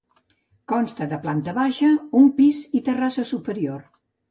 Consta de planta baixa, un pis i terrassa superior.